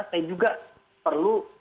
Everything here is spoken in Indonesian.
saya juga perlu